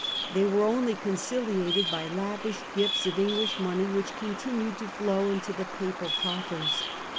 They were only conciliated by lavish gifts of English money, which continued to flow into the Papal coffers.